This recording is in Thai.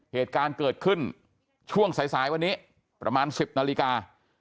เหตุการณ์เกิดขึ้นช่วงสายวันนี้ประมาณ๑๐นาฬิกา